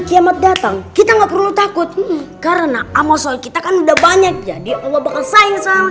kiamat datang kita enggak perlu takut karena amal soleh kita kan udah banyak jadi allah akan sayang sama